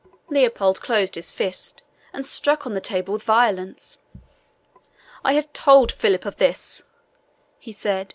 Leopold closed his fist, and struck on the table with violence. "I have told Philip of this," he said.